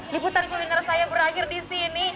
liputan kuliner saya berakhir di sini